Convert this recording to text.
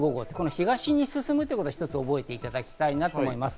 東に進むということを一つ覚えていただきたいと思います。